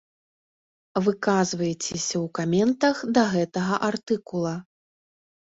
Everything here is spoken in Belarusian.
Выказвайцеся ў каментах да гэтага артыкула.